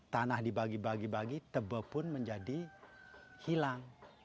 tanah dibagi bagi bagi tebe pun menjadi hilang